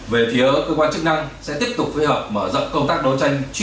về phía ở cơ quan chức năng sẽ tiếp tục phối hợp mở rộng công tác đấu tranh